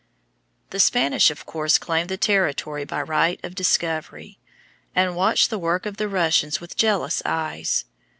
The Spanish, of course, claimed the territory by right of discovery, and watched the work of the Russians with jealous eyes.